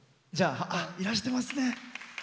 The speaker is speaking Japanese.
いらしてますね。